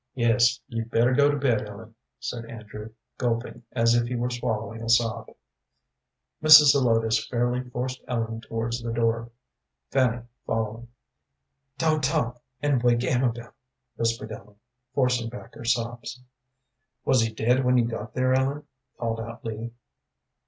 "Yes, you'd better go to bed, Ellen," said Andrew, gulping as if he were swallowing a sob. Mrs. Zelotes fairly forced Ellen towards the door, Fanny following. "Don't talk and wake Amabel," whispered Ellen, forcing back her sobs. "Was he dead when you got there, Ellen?" called out Lee.